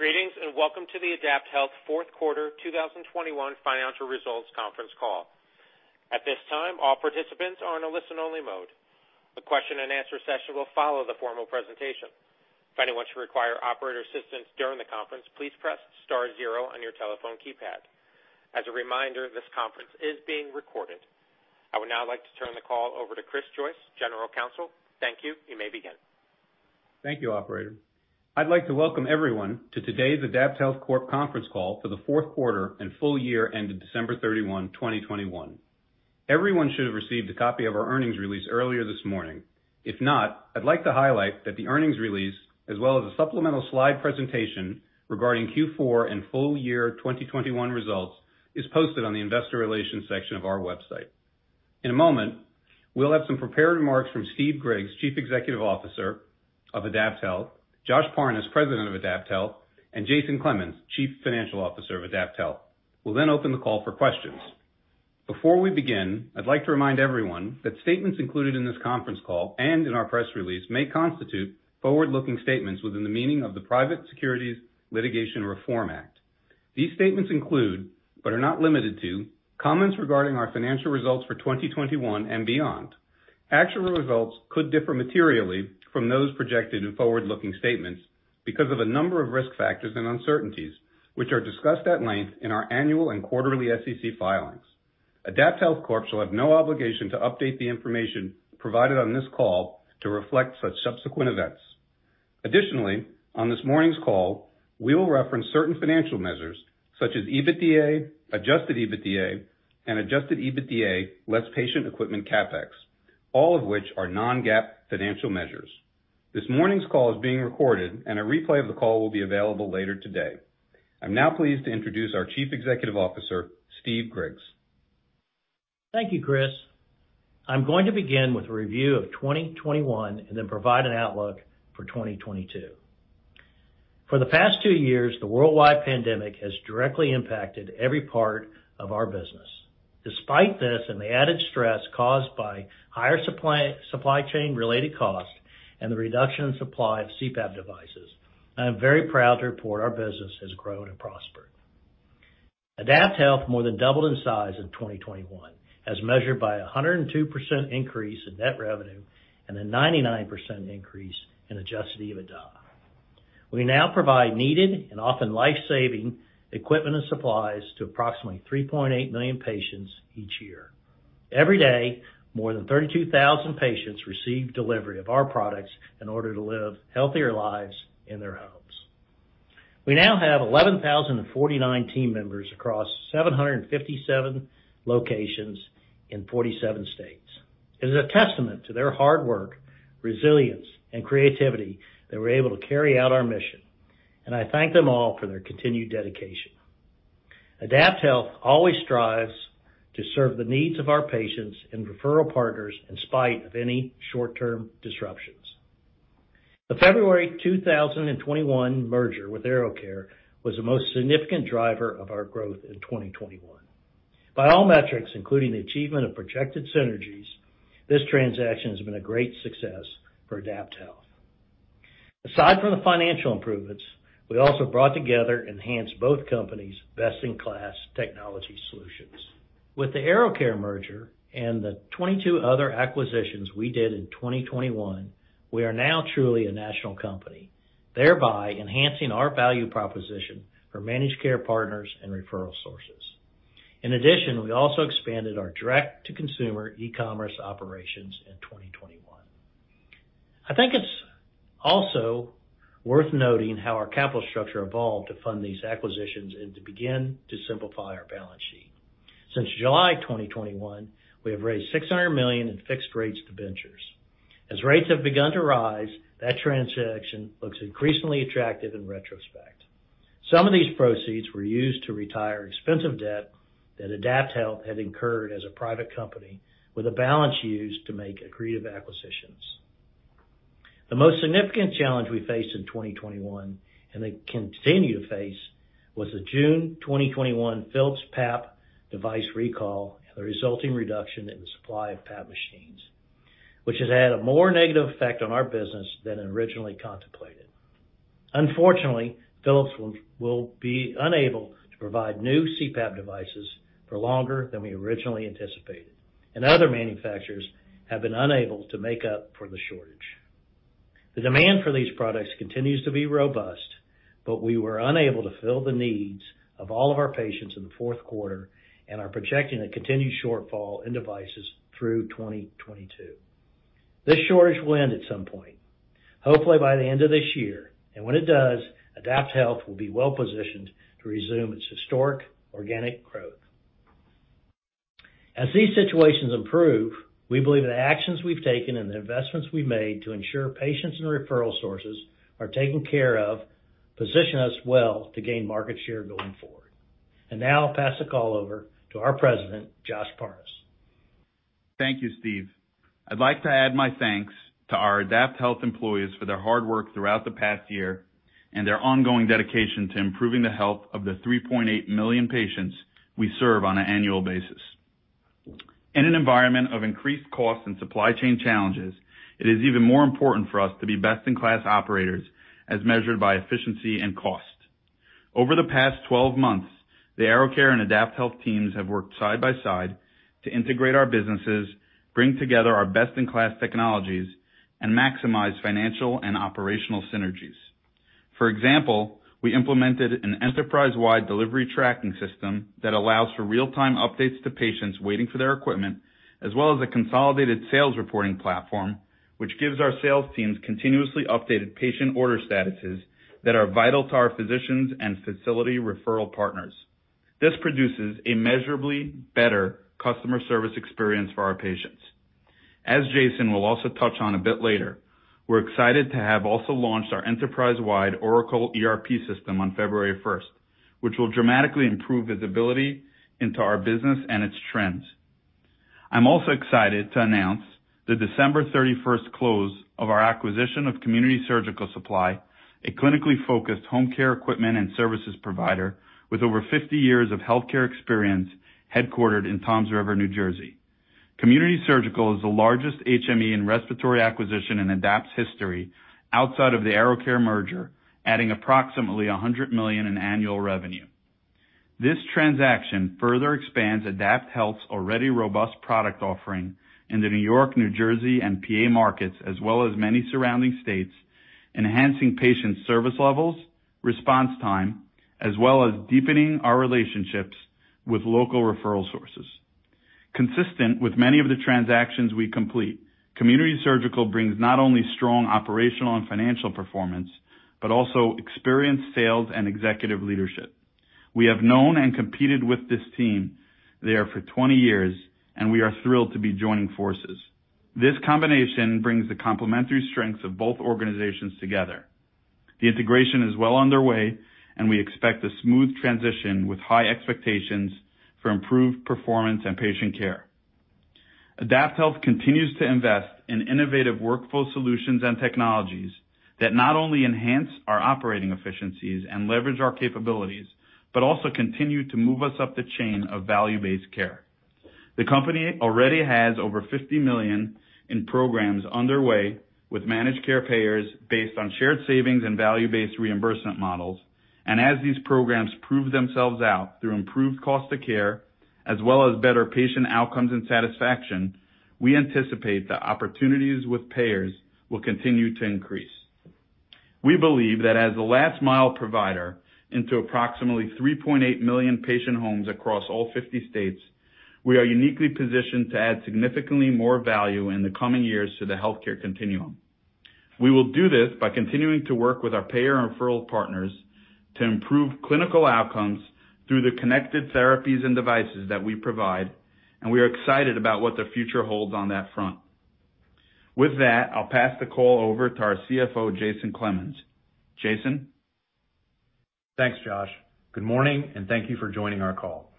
Greetings, and welcome to the AdaptHealth Fourth Quarter 2021 Financial Results conference call. At this time, all participants are on a listen-only mode. The question and answer session will follow the formal presentation. If anyone should require operator assistance during the conference, please press star zero on your telephone keypad. As a reminder, this conference is being recorded. I would now like to turn the call over to Christopher Joyce, General Counsel. Thank you. You may begin. Thank you, operator. I'd like to welcome everyone to today's AdaptHealth Corp. conference call for the fourth quarter and full year ended December 31, 2021. Everyone should have received a copy of our earnings release earlier this morning. If not, I'd like to highlight that the earnings release, as well as a supplemental slide presentation regarding Q4 and full year 2021 results, is posted on the investor relations section of our website. In a moment, we'll have some prepared remarks from Steve Griggs, Chief Executive Officer of AdaptHealth, Josh Parnes, President of AdaptHealth, and Jason Clemens, Chief Financial Officer of AdaptHealth. We'll then open the call for questions. Before we begin, I'd like to remind everyone that statements included in this conference call and in our press release may constitute forward-looking statements within the meaning of the Private Securities Litigation Reform Act. These statements include, but are not limited to, comments regarding our financial results for 2021 and beyond. Actual results could differ materially from those projected in forward-looking statements because of a number of risk factors and uncertainties, which are discussed at length in our annual and quarterly SEC filings. AdaptHealth Corp. shall have no obligation to update the information provided on this call to reflect such subsequent events. Additionally, on this morning's call, we will reference certain financial measures such as EBITDA, adjusted EBITDA, and adjusted EBITDA less patient equipment CapEx, all of which are non-GAAP financial measures. This morning's call is being recorded and a replay of the call will be available later today. I'm now pleased to introduce our Chief Executive Officer, Steve Griggs. Thank you, Chris. I'm going to begin with a review of 2021 and then provide an outlook for 2022. For the past two years, the worldwide pandemic has directly impacted every part of our business. Despite this and the added stress caused by higher supply chain related costs and the reduction in supply of CPAP devices, I am very proud to report our business has grown and prospered. AdaptHealth more than doubled in size in 2021 as measured by a 102% increase in net revenue and a 99% increase in adjusted EBITDA. We now provide needed and often life-saving equipment and supplies to approximately 3.8 million patients each year. Every day, more than 32,000 patients receive delivery of our products in order to live healthier lives in their homes. We now have 11,049 team members across 757 locations in 47 states. It is a testament to their hard work, resilience, and creativity that we're able to carry out our mission. I thank them all for their continued dedication. AdaptHealth always strives to serve the needs of our patients and referral partners in spite of any short-term disruptions. The February 2021 merger with AeroCare was the most significant driver of our growth in 2021. By all metrics, including the achievement of projected synergies, this transaction has been a great success for AdaptHealth. Aside from the financial improvements, we also brought together enhanced both companies' best-in-class technology solutions. With the AeroCare merger and the 22 other acquisitions we did in 2021, we are now truly a national company, thereby enhancing our value proposition for managed care partners and referral sources. In addition, we also expanded our direct-to-consumer e-commerce operations in 2021. I think it's also worth noting how our capital structure evolved to fund these acquisitions and to begin to simplify our balance sheet. Since July 2021, we have raised $600 million in fixed-rate senior notes. As rates have begun to rise, that transaction looks increasingly attractive in retrospect. Some of these proceeds were used to retire expensive debt that AdaptHealth had incurred as a private company with a balance used to make accretive acquisitions. The most significant challenge we faced in 2021, and that continue to face, was the June 2021 Philips PAP device recall and the resulting reduction in the supply of PAP machines, which has had a more negative effect on our business than originally contemplated. Unfortunately, Philips will be unable to provide new CPAP devices for longer than we originally anticipated, and other manufacturers have been unable to make up for the shortage. The demand for these products continues to be robust, but we were unable to fill the needs of all of our patients in the fourth quarter and are projecting a continued shortfall in devices through 2022. This shortage will end at some point, hopefully by the end of this year. When it does, AdaptHealth will be well positioned to resume its historic organic growth. As these situations improve, we believe the actions we've taken and the investments we've made to ensure patients and referral sources are taken care of position us well to gain market share going forward. Now I'll pass the call over to our President, Josh Parnes. Thank you, Steve. I'd like to add my thanks to our AdaptHealth employees for their hard work throughout the past year and their ongoing dedication to improving the health of the 3.8 million patients we serve on an annual basis. In an environment of increased costs and supply chain challenges, it is even more important for us to be best-in-class operators as measured by efficiency and cost. Over the past 12 months, the AeroCare and AdaptHealth teams have worked side by side to integrate our businesses, bring together our best-in-class technologies, and maximize financial and operational synergies. For example, we implemented an enterprise-wide delivery tracking system that allows for real-time updates to patients waiting for their equipment, as well as a consolidated sales reporting platform, which gives our sales teams continuously updated patient order statuses that are vital to our physicians and facility referral partners. This produces a measurably better customer service experience for our patients. As Jason will also touch on a bit later, we're excited to have also launched our enterprise-wide Oracle ERP system on February first, which will dramatically improve visibility into our business and its trends. I'm also excited to announce the December 31 close of our acquisition of Community Surgical Supply, a clinically focused home care equipment and services provider with over 50 years of healthcare experience, headquartered in Toms River, New Jersey. Community Surgical is the largest HME and respiratory acquisition in Adapt's history outside of the AeroCare merger, adding approximately $100 million in annual revenue. This transaction further expands AdaptHealth's already robust product offering in the New York, New Jersey, and PA markets as well as many surrounding states, enhancing patient service levels, response time, as well as deepening our relationships with local referral sources. Consistent with many of the transactions we complete, Community Surgical brings not only strong operational and financial performance, but also experienced sales and executive leadership. We have known and competed with this team there for 20 years, and we are thrilled to be joining forces. This combination brings the complementary strengths of both organizations together. The integration is well underway, and we expect a smooth transition with high expectations for improved performance and patient care. AdaptHealth continues to invest in innovative workflow solutions and technologies that not only enhance our operating efficiencies and leverage our capabilities, but also continue to move us up the chain of value-based care. The company already has over $50 million in programs underway with managed care payers based on shared savings and value-based reimbursement models. As these programs prove themselves out through improved cost of care, as well as better patient outcomes and satisfaction, we anticipate that opportunities with payers will continue to increase. We believe that as the last mile provider into approximately 3.8 million patient homes across all 50 states, we are uniquely positioned to add significantly more value in the coming years to the healthcare continuum. We will do this by continuing to work with our payer and referral partners to improve clinical outcomes through the connected therapies and devices that we provide, and we are excited about what the future holds on that front. With that, I'll pass the call over to our Chief Financial Officer, Jason Clemens. Jason? Thanks, Josh. Good morning, and thank you for joining our call.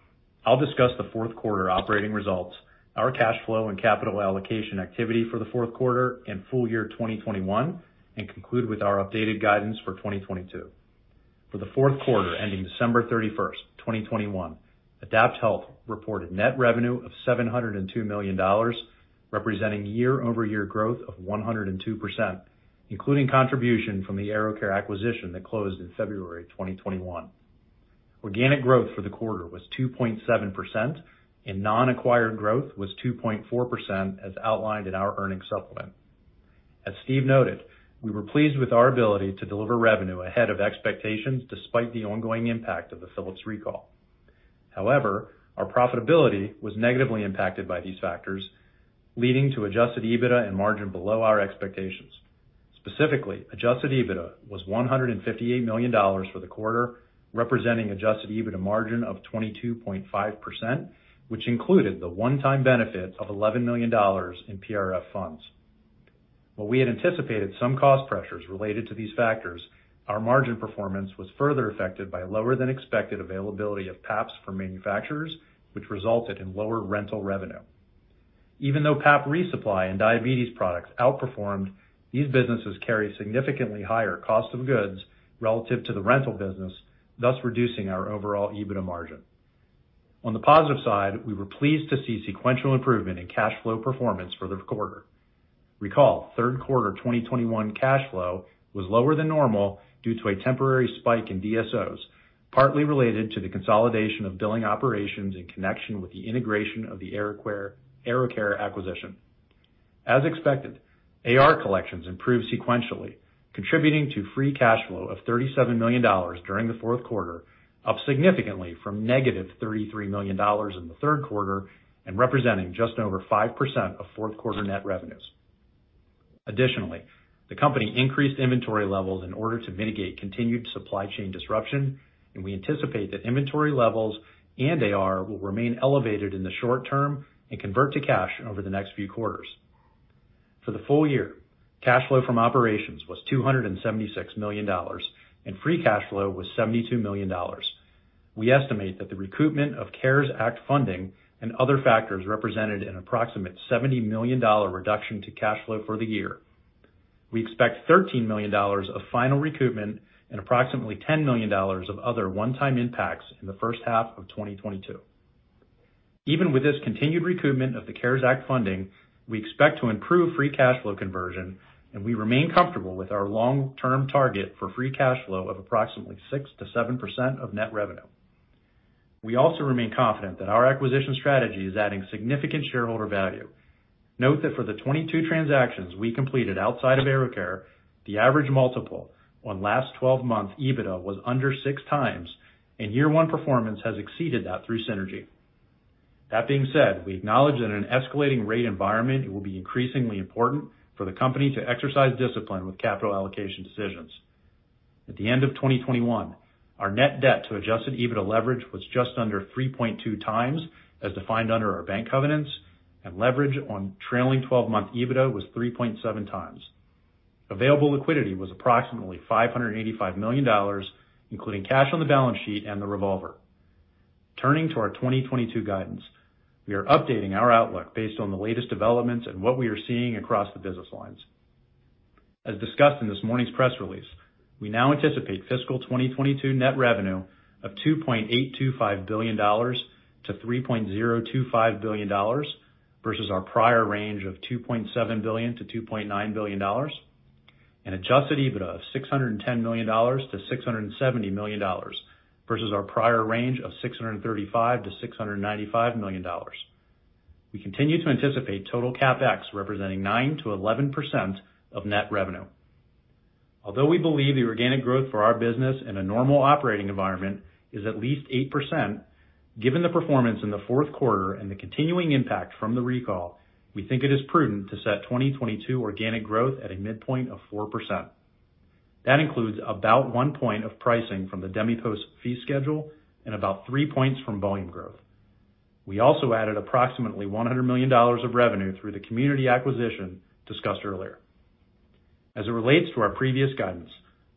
I'll discuss the fourth quarter operating results, our cash flow and capital allocation activity for the fourth quarter and full year 2021, and conclude with our updated guidance for 2022. For the fourth quarter ending December 31, 2021, AdaptHealth reported net revenue of $702 million, representing year-over-year growth of 102%, including contribution from the AeroCare acquisition that closed in February 2021. Organic growth for the quarter was 2.7% and non-acquired growth was 2.4%, as outlined in our earnings supplement. As Steve noted, we were pleased with our ability to deliver revenue ahead of expectations despite the ongoing impact of the Philips recall. However, our profitability was negatively impacted by these factors, leading to adjusted EBITDA and margin below our expectations. Specifically, adjusted EBITDA was $158 million for the quarter, representing adjusted EBITDA margin of 22.5%, which included the one-time benefit of $11 million in PRF funds. While we had anticipated some cost pressures related to these factors, our margin performance was further affected by lower than expected availability of PAPs from manufacturers, which resulted in lower rental revenue. Even though PAP resupply and diabetes products outperformed, these businesses carry significantly higher cost of goods relative to the rental business, thus reducing our overall EBITDA margin. On the positive side, we were pleased to see sequential improvement in cash flow performance for the quarter. Recall, third quarter 2021 cash flow was lower than normal due to a temporary spike in DSOs, partly related to the consolidation of billing operations in connection with the integration of the AeroCare acquisition. As expected, AR collections improved sequentially, contributing to free cash flow of $37 million during the fourth quarter, up significantly from negative $33 million in the third quarter and representing just over 5% of fourth quarter net revenues. Additionally, the company increased inventory levels in order to mitigate continued supply chain disruption, and we anticipate that inventory levels and AR will remain elevated in the short term and convert to cash over the next few quarters. For the full year, cash flow from operations was $276 million, and free cash flow was $72 million. We estimate that the recoupment of CARES Act funding and other factors represented an approximate $70 million reduction to cash flow for the year. We expect $13 million of final recoupment and approximately $10 million of other one-time impacts in the first half of 2022. Even with this continued recoupment of the CARES Act funding, we expect to improve free cash flow conversion, and we remain comfortable with our long-term target for free cash flow of approximately 6%-7% of net revenue. We also remain confident that our acquisition strategy is adding significant shareholder value. Note that for the 22 transactions we completed outside of AeroCare, the average multiple on last 12-month EBITDA was under 6x, and year one performance has exceeded that through synergy. That being said, we acknowledge that in an escalating rate environment, it will be increasingly important for the company to exercise discipline with capital allocation decisions. At the end of 2021, our net debt to adjusted EBITDA leverage was just under 3.2x as defined under our bank covenants, and leverage on trailing 12-month EBITDA was 3.7x. Available liquidity was approximately $585 million, including cash on the balance sheet and the revolver. Turning to our 2022 guidance, we are updating our outlook based on the latest developments and what we are seeing across the business lines. As discussed in this morning's press release, we now anticipate fiscal 2022 net revenue of $2.825 billion-$3.025 billion versus our prior range of $2.7 billion-$2.9 billion, and adjusted EBITDA of $610 million-$670 million versus our prior range of $635 million-$695 million. We continue to anticipate total CapEx representing 9%-11% of net revenue. Although we believe the organic growth for our business in a normal operating environment is at least 8%, given the performance in the fourth quarter and the continuing impact from the recall, we think it is prudent to set 2022 organic growth at a midpoint of 4%. That includes about one point of pricing from the DMEPOS fee schedule and about three points from volume growth. We also added approximately $100 million of revenue through the Community acquisition discussed earlier. As it relates to our previous guidance,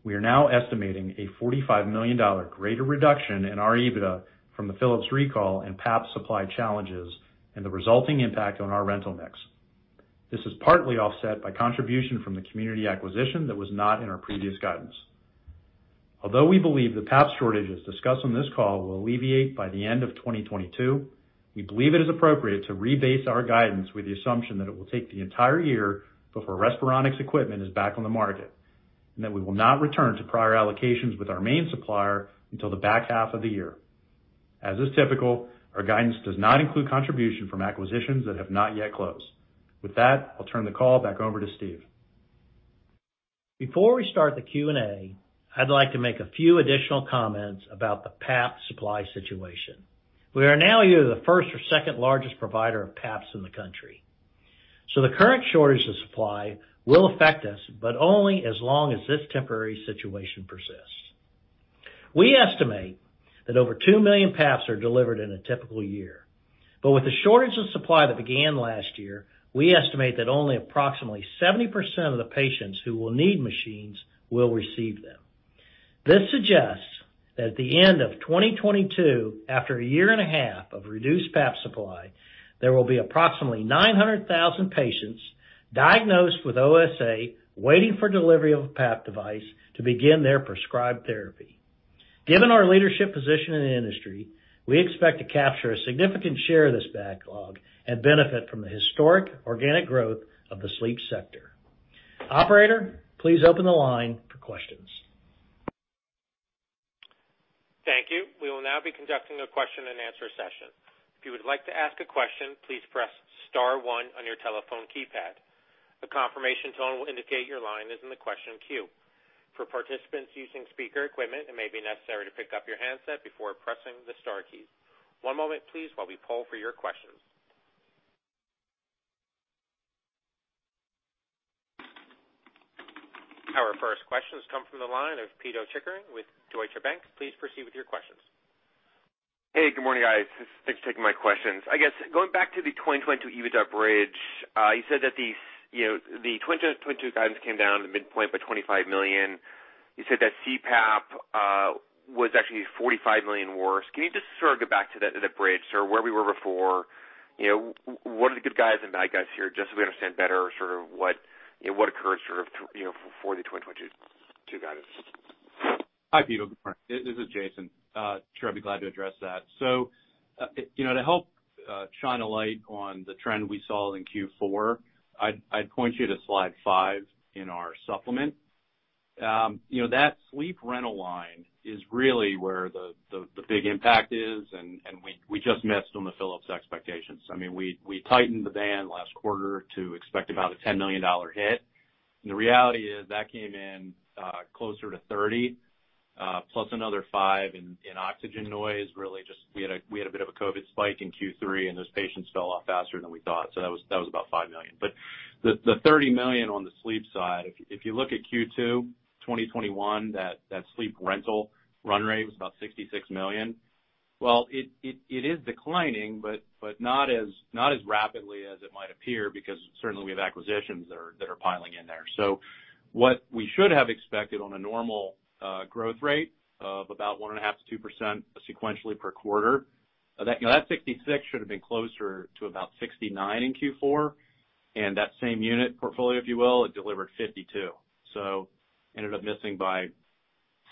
we are now estimating a $45 million greater reduction in our EBITDA from the Philips recall and PAP supply challenges and the resulting impact on our rental mix. This is partly offset by contribution from the Community acquisition that was not in our previous guidance. Although we believe the PAP shortages discussed on this call will alleviate by the end of 2022, we believe it is appropriate to rebase our guidance with the assumption that it will take the entire year before Respironics equipment is back on the market, and that we will not return to prior allocations with our main supplier until the back half of the year. As is typical, our guidance does not include contribution from acquisitions that have not yet closed. With that, I'll turn the call back over to Steve. Before we start the Q&A, I'd like to make a few additional comments about the PAP supply situation. We are now either the first or second largest provider of PAPs in the country. The current shortage of supply will affect us, but only as long as this temporary situation persists. We estimate that over two million PAPs are delivered in a typical year. With the shortage of supply that began last year, we estimate that only approximately 70% of the patients who will need machines will receive them. This suggests that at the end of 2022, after a year and a half of reduced PAP supply, there will be approximately 900,000 patients diagnosed with OSA waiting for delivery of a PAP device to begin their prescribed therapy. Given our leadership position in the industry, we expect to capture a significant share of this backlog and benefit from the historic organic growth of the sleep sector. Operator, please open the line for questions. Thank you. We will now be conducting a question-and-answer session. If you would like to ask a question, please press star one on your telephone keypad. A confirmation tone will indicate your line is in the question queue. For participants using speaker equipment, it may be necessary to pick up your handset before pressing the star keys. One moment please while we poll for your questions. Our first questions come from the line of Pito Chickering with Deutsche Bank, please proceed with your questions. Hey, good morning, guys. Thanks for taking my questions. I guess going back to the 2022 EBITDA bridge, you know, the 2022 guidance came down to the midpoint by $25 million. You said that CPAP was actually $45 million worse. Can you just sort of get back to that, the bridge, sort of where we were before? You know, what are the good guys and bad guys here, just so we understand better sort of what, you know, what occurred sort of, you know, for the 2022 guidance? Hi, Pito. Good morning? This is Jason. Sure, I'd be glad to address that. You know, to help shine a light on the trend we saw in Q4, I'd point you to slide five in our supplement. You know, that sleep rental line is really where the big impact is, and we just missed on the Philips expectations. I mean, we tightened the band last quarter to expect about a $10 million hit. The reality is that came in closer to $30 million plus another $5 million in oxygen. No, it's really just we had a bit of a COVID spike in Q3, and those patients fell off faster than we thought. That was about $5 million. The $30 million on the sleep side, if you look at Q2 2021, that sleep rental run rate was about $66 million. Well, it is declining, but not as rapidly as it might appear because certainly we have acquisitions that are piling in there. What we should have expected on a normal growth rate of about 1.5%-2% sequentially per quarter. That 66 should have been closer to about 69 in Q4, and that same unit portfolio, if you will, it delivered 52. Ended up missing by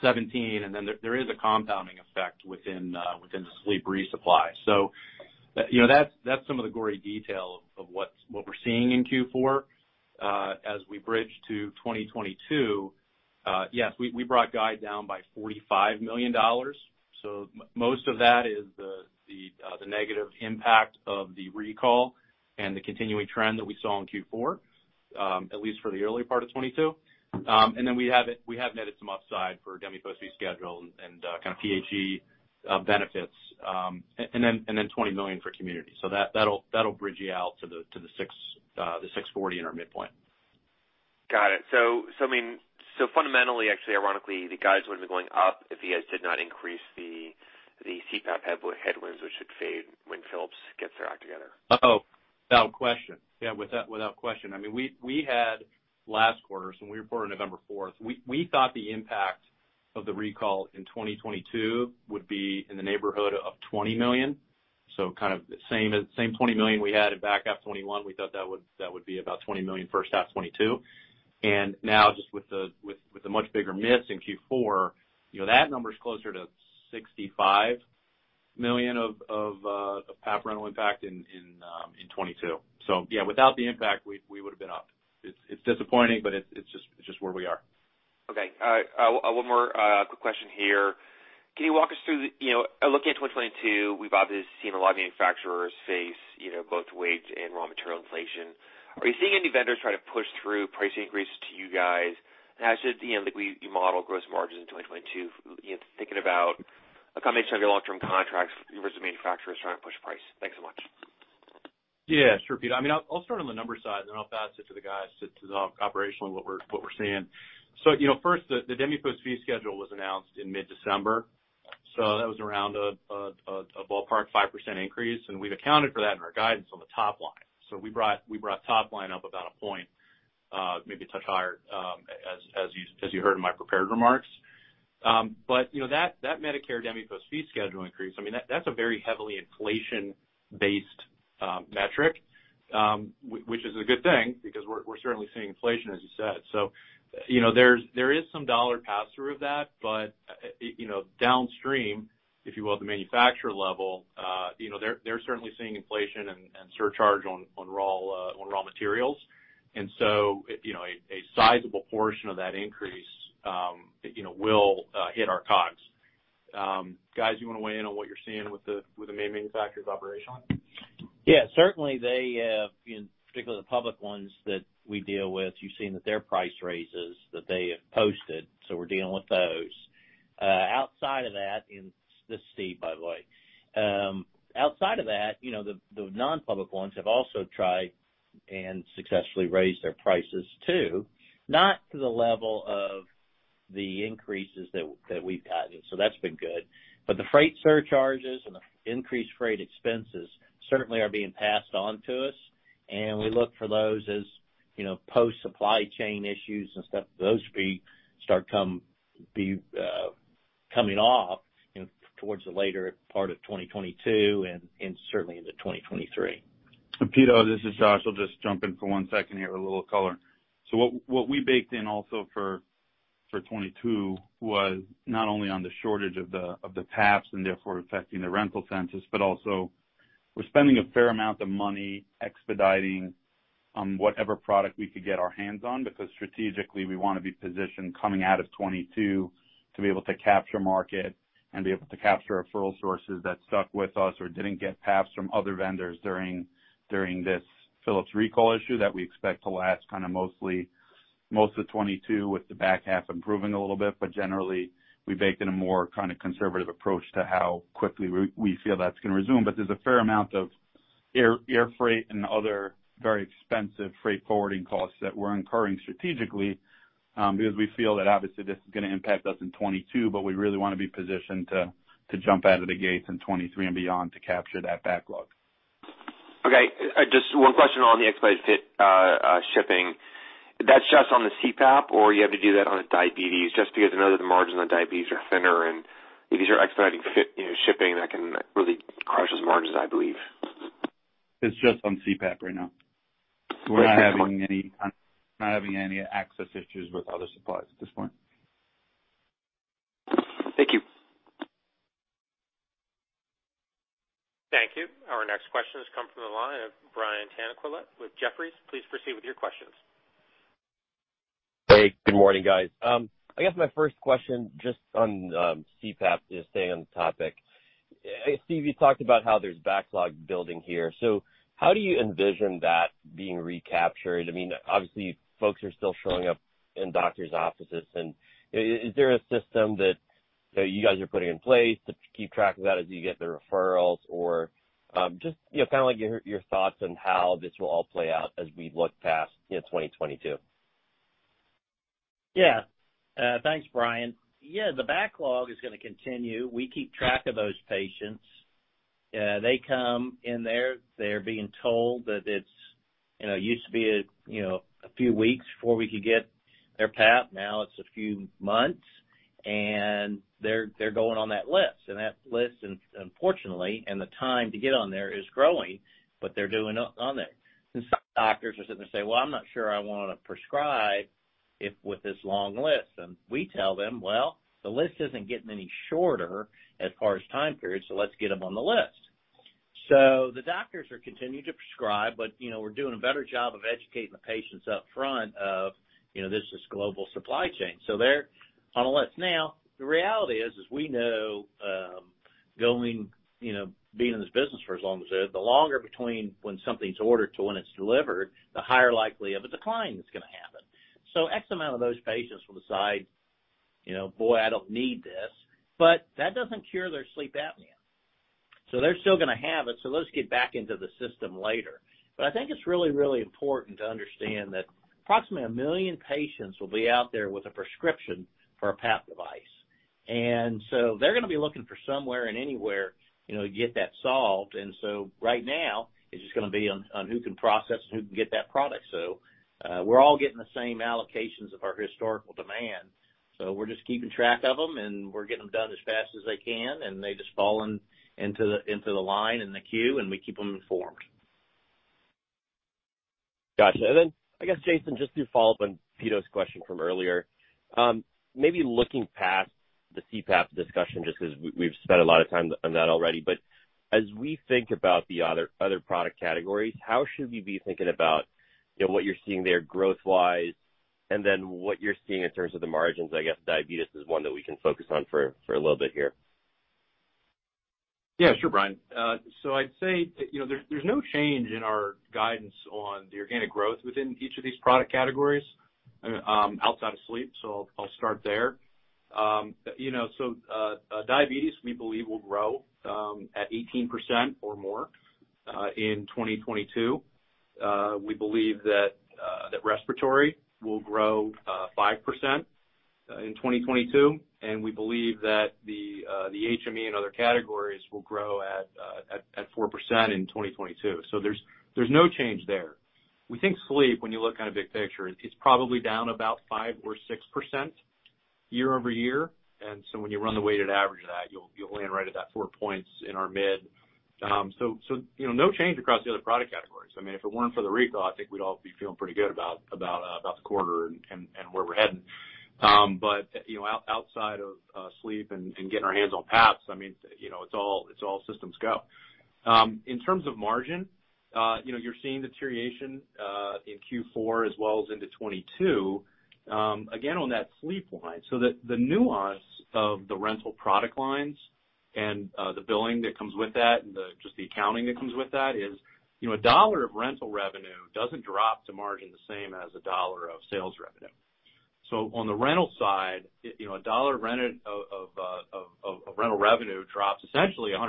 17, and then there is a compounding effect within the sleep resupply. You know, that's some of the gory detail of what we're seeing in Q4, as we bridge to 2022. Yes, we brought guide down by $45 million. Most of that is the negative impact of the recall and the continuing trend that we saw in Q4, at least for the early part of 2022. We have netted some upside for DMEPOS fee schedule and kind of PHE benefits, and then $20 million for Community. That'll bridge you out to the 640 in our midpoint. Got it. I mean, fundamentally, actually ironically, the guides would have been going up if you guys did not increase the CPAP headwinds, which should fade when Philips gets their act together. Oh, without question. Yeah, without question. I mean, we had last quarter, so when we reported November 4th, we thought the impact of the recall in 2022 would be in the neighborhood of $20 million. Kind of the same $20 million we had in back half 2021. We thought that would be about $20 million first half 2022. Now, just with the much bigger miss in Q4, you know, that number's closer to $65 million of PAP rental impact in 2022. Yeah, without the impact, we would've been up. It's disappointing, but it's just where we are. Okay. One more quick question here. Can you walk us through you know, looking at 2022, we've obviously seen a lot of manufacturers face, you know, both wage and raw material inflation. Are you seeing any vendors try to push through price increases to you guys? How should, you know, like you model gross margins in 2022, you know, thinking about a combination of your long-term contracts versus manufacturers trying to push price. Thanks so much. Yeah, sure, Pito. I mean, I'll start on the numbers side, and then I'll pass it to the guys to talk operationally what we're seeing. You know, first, the DMEPOS fee schedule was announced in mid-December. That was around a ballpark 5% increase, and we've accounted for that in our guidance on the top line. We brought top line up about a point, maybe a touch higher, as you heard in my prepared remarks. You know, that Medicare DMEPOS fee schedule increase, I mean, that's a very heavily inflation-based metric, which is a good thing because we're certainly seeing inflation, as you said. You know, there is some dollar pass-through of that. You know, downstream, if you will, at the manufacturer level, you know, they're certainly seeing inflation and surcharge on raw materials. You know, a sizable portion of that increase, you know, will hit our COGS. Guys, you wanna weigh in on what you're seeing with the main manufacturers operationally? Yeah. Certainly they have, you know, particularly the public ones that we deal with. You've seen that their price raises that they have posted. We're dealing with those. This is Steve, by the way. Outside of that, you know, the non-public ones have also tried and successfully raised their prices too, not to the level of the increases that we've had. That's been good. The freight surcharges and the increased freight expenses certainly are being passed on to us, and we look for those as, you know, post-supply chain issues and stuff. Those will be coming off, you know, towards the later part of 2022 and certainly into 2023. Pito, this is Josh. I'll just jump in for one second here with a little color. What we baked in also for 2022 was not only on the shortage of the PAPs, and therefore affecting the rental census, but also we're spending a fair amount of money expediting whatever product we could get our hands on because strategically we wanna be positioned coming out of 2022 to be able to capture market and be able to capture referral sources that stuck with us or didn't get PAPs from other vendors during this Philips recall issue that we expect to last kind of most of 2022 with the back half improving a little bit. Generally, we baked in a more kind of conservative approach to how quickly we feel that's gonna resume. There's a fair amount of air freight and other very expensive freight forwarding costs that we're incurring strategically, because we feel that obviously this is gonna impact us in 2022, but we really wanna be positioned to jump out of the gates in 2023 and beyond to capture that backlog. Okay. Just one question on the expedited freight shipping. That's just on the CPAP or you have to do that on the diabetes? Just because I know that the margins on diabetes are thinner, and if you start expediting freight, you know, shipping, that can really crush those margins, I believe. It's just on CPAP right now. We're not having any access issues with other supplies at this point. Thank you. Thank you. Our next question has come from the line of Brian Tanquilut with Jefferies, please proceed with your questions. Hey, good morning, guys. I guess my first question just on CPAP, just staying on the topic. Steve, you talked about how there's backlog building here. How do you envision that being recaptured? I mean, obviously, folks are still showing up in doctor's offices. Is there a system that you guys are putting in place to keep track of that as you get the referrals? Or just, you know, kind of like your thoughts on how this will all play out as we look past, you know, 2022. Yeah. Thanks, Brian. Yeah, the backlog is gonna continue. We keep track of those patients. They come in there, they're being told. You know, it used to be a, you know, a few weeks before we could get their PAP. Now it's a few months, and they're going on that list. That list, unfortunately, the time to get on there is growing, but they're doing on there. Some doctors are sitting there saying, Well, I'm not sure I wanna prescribe with this long list. We tell them, Well, the list isn't getting any shorter as far as time period, so let's get them on the list. The doctors are continuing to prescribe, but, you know, we're doing a better job of educating the patients up front of, you know, this is global supply chain. They're on the list. Now, the reality is, as we know, going, you know, being in this business for as long as it is, the longer between when something's ordered to when it's delivered, the higher likelihood of a decline that's gonna happen. So X amount of those patients will decide, you know, boy, I don't need this. But that doesn't cure their sleep apnea. So they're still gonna have it, so let's get back into the system later. But I think it's really, really important to understand that approximately a million patients will be out there with a prescription for a PAP device. They're gonna be looking for somewhere and anywhere, you know, to get that solved. Right now, it's just gonna be on who can process and who can get that product. So we're all getting the same allocations of our historical demand. We're just keeping track of them, and we're getting them done as fast as they can, and they just fall into the line and the queue, and we keep them informed. Gotcha. I guess, Jason, just to follow up on Pito's question from earlier, maybe looking past the CPAP discussion, just 'cause we've spent a lot of time on that already. As we think about the other product categories, how should we be thinking about, you know, what you're seeing there growth-wise and then what you're seeing in terms of the margins? I guess, diabetes is one that we can focus on for a little bit here. Yeah, sure, Brian. I'd say, you know, there's no change in our guidance on the organic growth within each of these product categories outside of sleep, so I'll start there. You know, diabetes, we believe, will grow at 18% or more in 2022. We believe that respiratory will grow 5% in 2022. We believe that the HME and other categories will grow at 4% in 2022. There's no change there. We think sleep, when you look at the big picture, it's probably down about 5% or 6% year-over-year. When you run the weighted average of that, you'll land right at that four points in our guide. You know, no change across the other product categories. I mean, if it weren't for the recall, I think we'd all be feeling pretty good about the quarter and where we're heading. You know, outside of sleep and getting our hands on PAPs, I mean, you know, it's all systems go. In terms of margin, you know, you're seeing deterioration in Q4 as well as into 2022, again, on that sleep line. The nuance of the rental product lines and the billing that comes with that and just the accounting that comes with that is, you know, a dollar of rental revenue doesn't drop to margin the same as a dollar of sales revenue. On the rental side, you know, $1 of rental revenue drops essentially 100%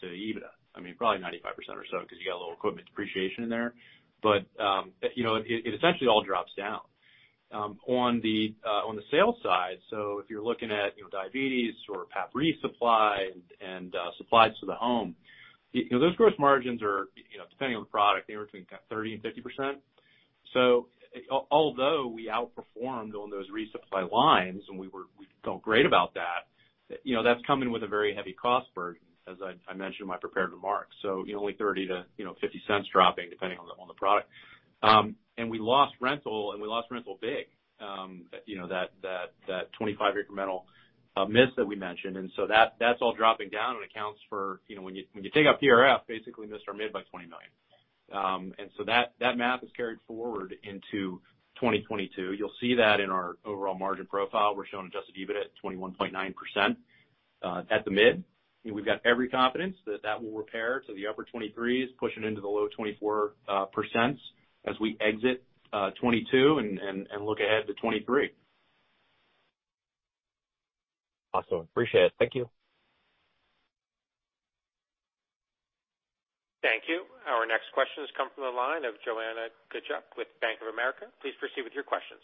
to EBITDA. I mean, probably 95% or so because you got a little equipment depreciation in there. You know, it essentially all drops down. On the sales side, if you're looking at, you know, diabetes or PAP resupply and supplies to the home, you know, those gross margins are, you know, depending on the product, anywhere between 30%-50%. Although we outperformed on those resupply lines, and we felt great about that, you know, that's coming with a very heavy cost burden, as I mentioned in my prepared remarks. You know, only $0.30-$0.50 dropping depending on the product. We lost rental big. You know, that 25 incremental miss that we mentioned. That's all dropping down and accounts for, you know, when you take out PRF, basically missed our mid by $20 million. That math is carried forward into 2022. You'll see that in our overall margin profile. We're showing adjusted EBITDA at 21.9% at the mid. We've got every confidence that that will repair to the upper 23s%, pushing into the low 24% as we exit 2022 and look ahead to 2023. Awesome. Appreciate it. Thank you. Thank you. Our next question has come from the line of Joanna Gajuk with Bank of America, please proceed with your questions.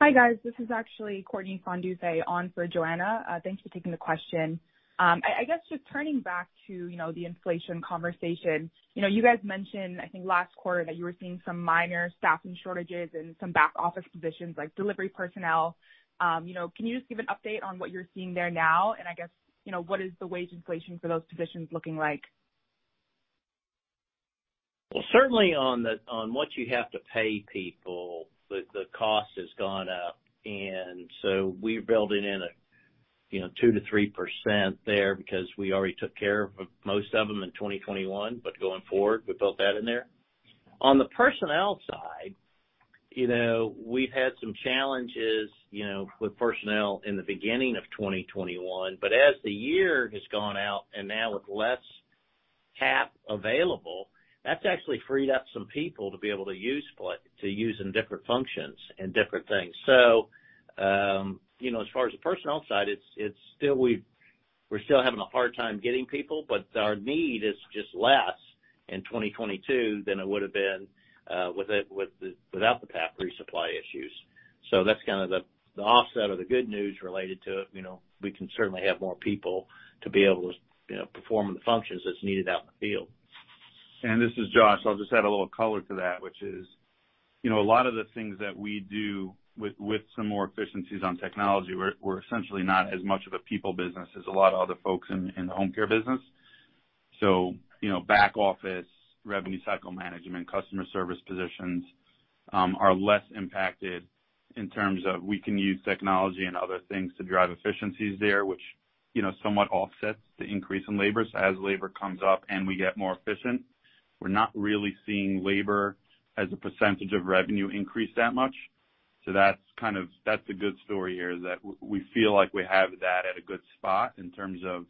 Hi, guys. This is actually Courtney Fondufe on for Joanna. Thanks for taking the question. I guess just turning back to, you know, the inflation conversation. You know, you guys mentioned, I think, last quarter that you were seeing some minor staffing shortages in some back office positions like delivery personnel. You know, can you just give an update on what you're seeing there now? I guess, you know, what is the wage inflation for those positions looking like? Well, certainly on what you have to pay people, the cost has gone up. We're building in a, you know, 2%-3% there because we already took care of of most of them in 2021. Going forward, we built that in there. On the personnel side, you know, we've had some challenges, you know, with personnel in the beginning of 2021. As the year has gone out and now with less PAP available, that's actually freed up some people to be able to use in different functions and different things. You know, as far as the personnel side, it's still, we're still having a hard time getting people, but our need is just less in 2022 than it would have been without the PAP resupply issues. That's kind of the offset or the good news related to, you know, we can certainly have more people to be able to, you know, perform the functions that's needed out in the field. This is Josh. I'll just add a little color to that, which is, you know, a lot of the things that we do with some more efficiencies on technology. We're essentially not as much of a people business as a lot of other folks in the home care business. You know, back office, revenue cycle management, customer service positions are less impacted in terms of we can use technology and other things to drive efficiencies there, which, you know, somewhat offsets the increase in labor. So as labor comes up and we get more efficient, we're not really seeing labor as a percentage of revenue increase that much. So that's kind of That's the good story here is that we feel like we have that at a good spot in terms of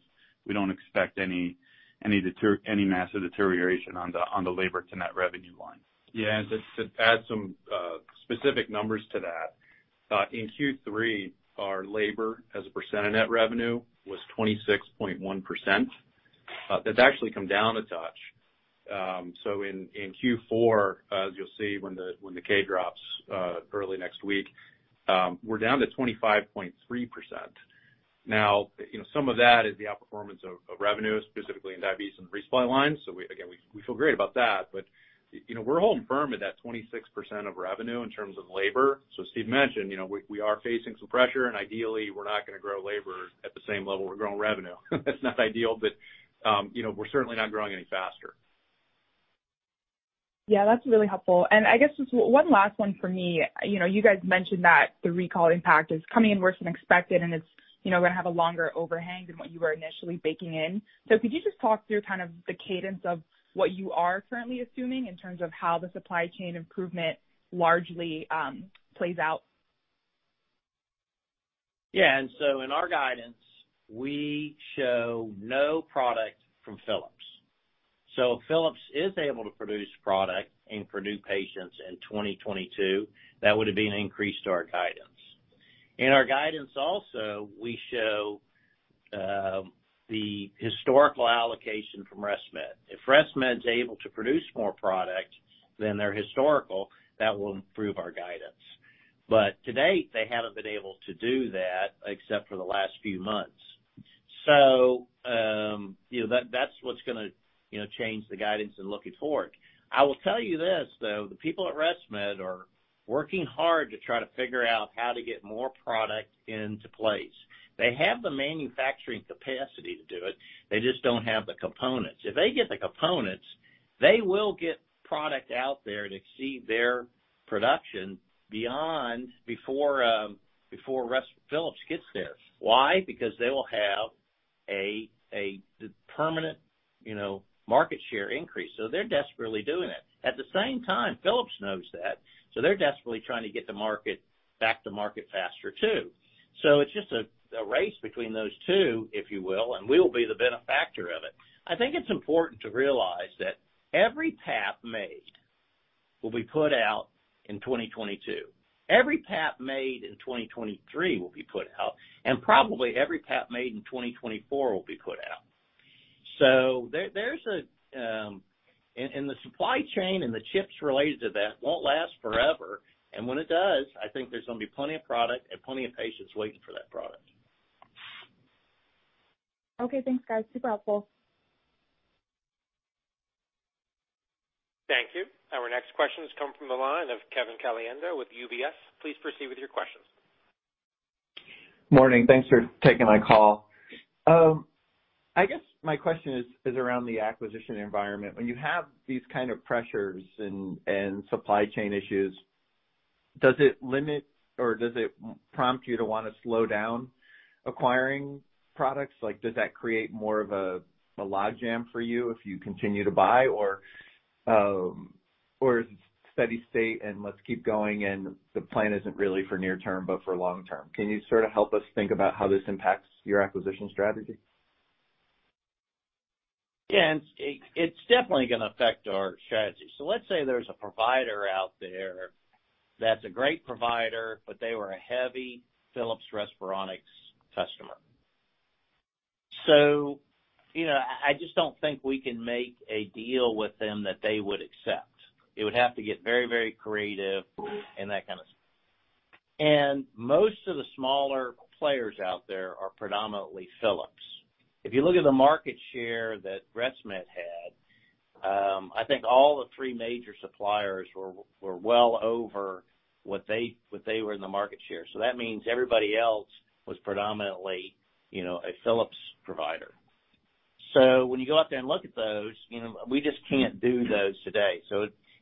we don't expect any massive deterioration on the labor to net revenue line. Yeah. Just to add some specific numbers to that, in Q3, our labor as a percent of net revenue was 26.1%. That's actually come down a touch. In Q4, as you'll see when the K drops early next week, we're down to 25.3%. Now, you know, some of that is the outperformance of revenue, specifically in diabetes and resupply lines. We again feel great about that. You know, we're holding firm at that 26% of revenue in terms of labor. Steve mentioned, you know, we are facing some pressure, and ideally, we're not gonna grow labor at the same level we're growing revenue. That's not ideal, but, you know, we're certainly not growing any faster. Yeah, that's really helpful. I guess just one last one for me. You know, you guys mentioned that the recall impact is coming in worse than expected and it's, you know, gonna have a longer overhang than what you were initially baking in. Could you just talk through kind of the cadence of what you are currently assuming in terms of how the supply chain improvement largely plays out? Yeah. In our guidance, we show no product from Philips. If Philips is able to produce product and for new patients in 2022, that would have been an increase to our guidance. In our guidance also, we show the historical allocation from ResMed. If ResMed's able to produce more product than their historical, that will improve our guidance. To date, they haven't been able to do that except for the last few months. You know, that's what's gonna change the guidance in looking forward. I will tell you this, though. The people at ResMed are working hard to try to figure out how to get more product into place. They have the manufacturing capacity to do it. They just don't have the components. If they get the components, they will get product out there to exceed their production beyond before Philips gets theirs. Why? Because they will have a permanent, you know, market share increase. They're desperately doing it. At the same time, Philips knows that, so they're desperately trying to get back to the market faster too. It's just a race between those two, if you will, and we'll be the beneficiary of it. I think it's important to realize that every PAP made will be put out in 2022. Every PAP made in 2023 will be put out, and probably every PAP made in 2024 will be put out. The supply chain and the chips related to that won't last forever. When it does, I think there's gonna be plenty of product and plenty of patients waiting for that product. Okay, thanks, guys. Super helpful. Thank you. Our next question has come from the line of Kevin Caliendo with UBS, please proceed with your questions. Morning. Thanks for taking my call. I guess my question is around the acquisition environment. When you have these kind of pressures and supply chain issues, does it limit or does it prompt you to wanna slow down acquiring products? Like, does that create more of a logjam for you if you continue to buy? Or, or is it steady state and let's keep going and the plan isn't really for near term, but for long term? Can you sort of help us think about how this impacts your acquisition strategy? Yeah, it's definitely gonna affect our strategy. Let's say there's a provider out there that's a great provider, but they were a heavy Philips Respironics customer. You know, I just don't think we can make a deal with them that they would accept. It would have to get very, very creative and that kind of. Most of the smaller players out there are predominantly Philips. If you look at the market share that ResMed had, I think all the three major suppliers were well over what they were in the market share. That means everybody else was predominantly, you know, a Philips provider. When you go out there and look at those, you know, we just can't do those today.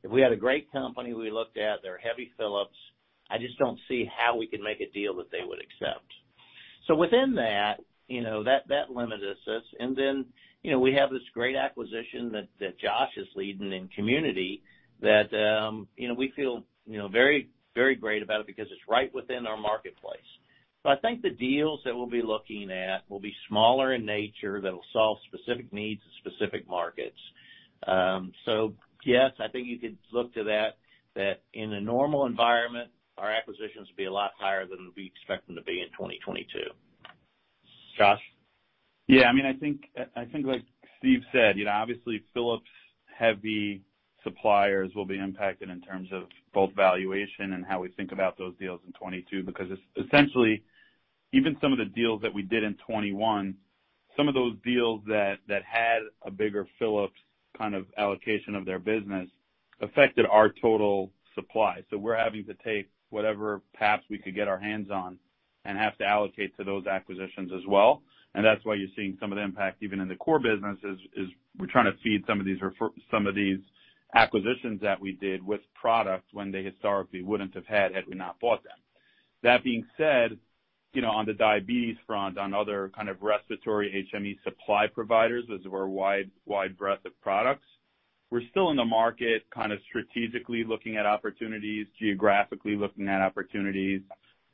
If we had a great company we looked at, they're heavy Philips, I just don't see how we can make a deal that they would accept. Within that, you know, that limited us. Then, you know, we have this great acquisition that Josh is leading in Community that you know we feel you know very great about it because it's right within our marketplace. I think the deals that we'll be looking at will be smaller in nature, that'll solve specific needs of specific markets. Yes, I think you could look to that in a normal environment, our acquisitions would be a lot higher than we expect them to be in 2022. Josh? Yeah. I mean, I think like Steve said, you know, obviously Philips heavy suppliers will be impacted in terms of both valuation and how we think about those deals in 2022, because essentially, even some of the deals that we did in 2021, some of those deals that had a bigger Philips kind of allocation of their business affected our total supply. So we're having to take whatever PAPs we could get our hands on and have to allocate to those acquisitions as well. That's why you're seeing some of the impact even in the core business is we're trying to feed some of these acquisitions that we did with products when they historically wouldn't have had we not bought them. That being said, you know, on the diabetes front, on other kind of respiratory HME supply providers, those were wide breadth of products. We're still in the market kind of strategically looking at opportunities, geographically looking at opportunities.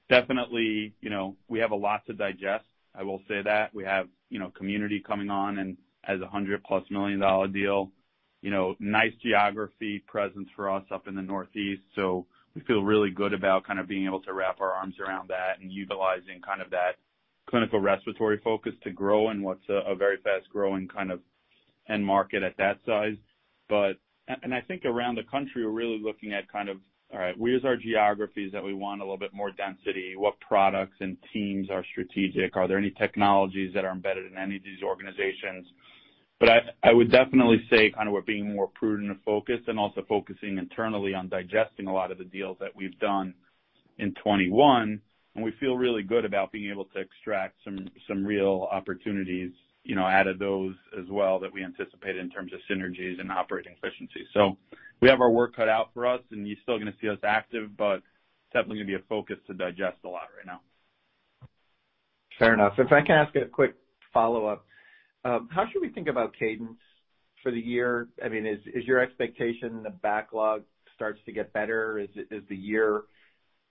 Definitely, you know, we have a lot to digest, I will say that. We have, you know, Community coming on and as a $100+ million deal, you know, nice geographic presence for us up in the Northeast. We feel really good about kind of being able to wrap our arms around that and utilizing kind of that clinical respiratory focus to grow and what's a very fast-growing kind of end market at that size. I think around the country, we're really looking at kind of, all right, where's our geographies that we want a little bit more density? What products and teams are strategic? Are there any technologies that are embedded in any of these organizations? I would definitely say kind of we're being more prudent and focused and also focusing internally on digesting a lot of the deals that we've done in 2021, and we feel really good about being able to extract some real opportunities, you know, out of those as well that we anticipate in terms of synergies and operating efficiency. We have our work cut out for us, and you're still gonna see us active, but definitely gonna be a focus to digest a lot right now. Fair enough. If I can ask a quick follow-up. How should we think about cadence for the year? I mean, is your expectation the backlog starts to get better? Is the year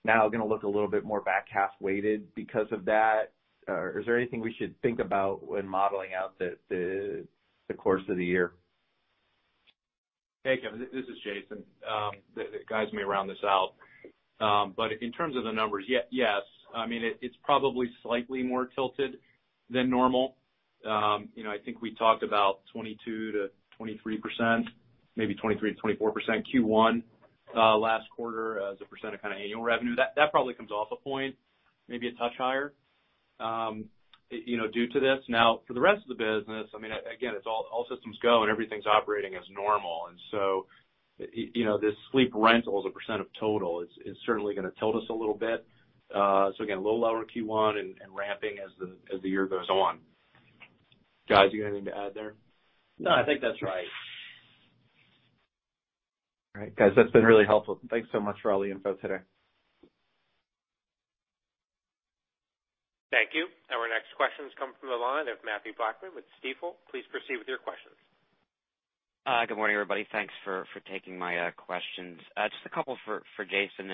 now gonna look a little bit more back half weighted because of that? Or is there anything we should think about when modeling out the course of the year? Hey, Kevin, this is Jason. The guys may round this out. But in terms of the numbers, yes. I mean, it's probably slightly more tilted than normal. You know, I think we talked about 22%-23%, maybe 23%-24% Q1 last quarter as a percent of kind of annual revenue. That probably comes off a point, maybe a touch higher, you know, due to this. Now, for the rest of the business, I mean, again, it's all systems go, and everything's operating as normal. You know, this sleep rental as a percent of total is certainly gonna tilt us a little bit. So again, a little lower Q1 and ramping as the year goes on. Guys, you got anything to add there? No, I think that's right. All right. Guys, that's been really helpful. Thanks so much for all the info today. Thank you. Our next question comes from the line of Mathew Blackman with Stifel, please proceed with your questions. Good morning, everybody. Thanks for taking my questions. Just a couple for Jason.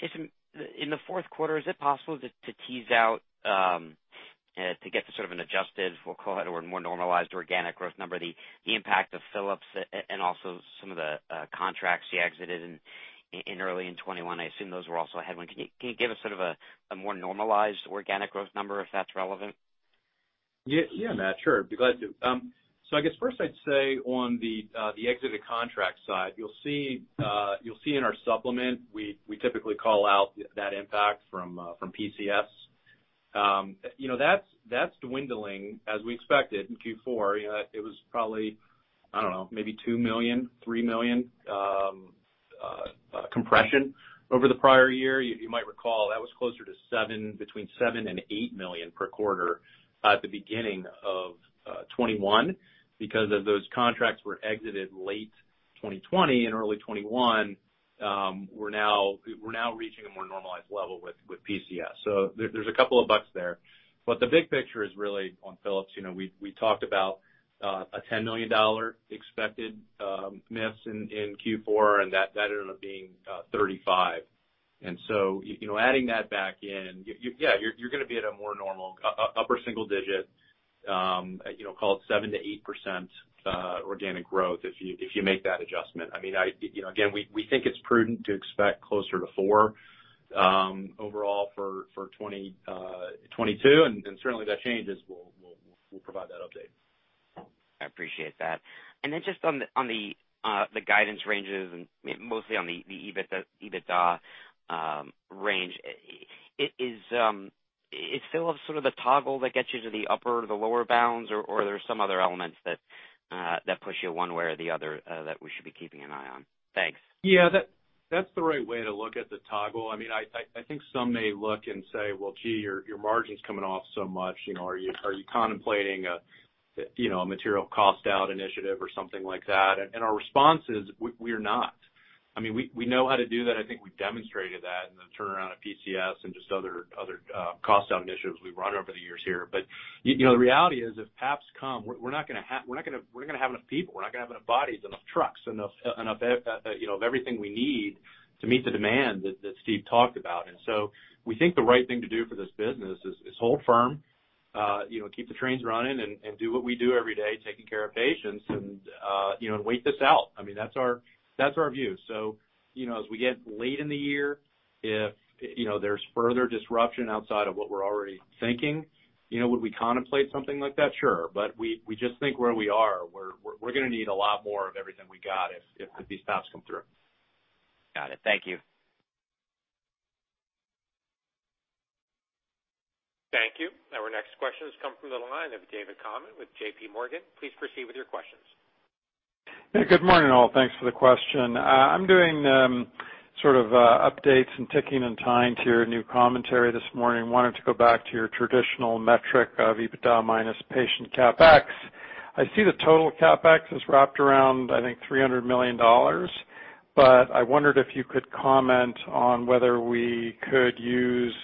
Jason, in the fourth quarter, is it possible to tease out to get to sort of an adjusted, we'll call that a word, more normalized organic growth number, the impact of Philips and also some of the contracts you exited in early in 2021? I assume those were also a headwind. Can you give us sort of a more normalized organic growth number if that's relevant? Yeah, Mathew, sure. Be glad to. So I guess first I'd say on the exited contract side, you'll see in our supplement, we typically call out that impact from PCS. You know, that's dwindling as we expected in Q4. You know, it was probably, I don't know, maybe $2 million-$3 million compression over the prior year. You might recall that was closer to seven, between $7 million and $8 million per quarter at the beginning of 2021. Because of those contracts were exited late 2020 and early 2021, we're now reaching a more normalized level with PCS. So there's a couple of bucks there. But the big picture is really on Philips. You know, we talked about a $10 million expected miss in Q4, and that ended up being $35 million. You know, adding that back in, yeah, you're gonna be at a more normal upper single digit, you know, call it 7%-8% organic growth if you make that adjustment. I mean, you know, again, we think it's prudent to expect closer to 4% overall for 2022, and certainly, if that changes, we'll provide that update. I appreciate that. Just on the guidance ranges and mostly on the EBITDA range, is Philips sort of the toggle that gets you to the upper or the lower bounds or there's some other elements that push you one way or the other that we should be keeping an eye on? Thanks. Yeah, that's the right way to look at the toggle. I mean, I think some may look and say, "Well, gee, your margin's coming off so much, you know, are you contemplating a material cost out initiative or something like that?" Our response is, we're not. I mean, we know how to do that. I think we've demonstrated that in the turnaround at PCS and just other cost down initiatives we've run over the years here. You know, the reality is if PAPs come, we're not gonna have enough people. We're not gonna have enough bodies, enough trucks, enough everything we need to meet the demand that Steve talked about. We think the right thing to do for this business is to hold firm. You know, keep the trains running and do what we do every day, taking care of patients and, you know, and wait this out. I mean, that's our view. You know, as we get late in the year, if there's further disruption outside of what we're already thinking, you know, would we contemplate something like that? Sure. We just think where we are, we're gonna need a lot more of everything we got if these stops come through. Got it. Thank you. Thank you. Our next question has come from the line of David Common with JPMorgan, please proceed with your questions. Yeah, good morning, all. Thanks for the question. I'm doing sort of updates and ticking and tying to your new commentary this morning. Wanted to go back to your traditional metric of EBITDA minus patient CapEx. I see the total CapEx is wrapped around, I think, $300 million, but I wondered if you could comment on whether we could use